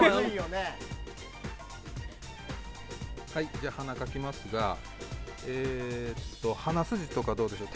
じゃあ、鼻を描きますが鼻筋とかはどうでしょう。